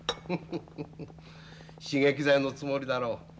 フフフ刺激剤のつもりだろう。